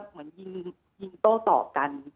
เหมือนยิงโต้ตอบกัน